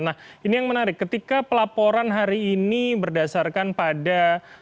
nah ini yang menarik ketika pelaporan hari ini berdasarkan pada